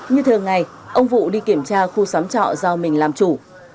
như thường ngày ông vụ đi kiểm tra khu xóm trọ do mình làm chủ